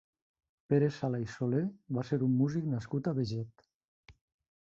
Pere Sala i Solé va ser un músic nascut a Beget.